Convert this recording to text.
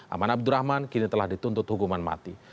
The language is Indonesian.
aman abdurrahman kini telah dituntut hukuman mati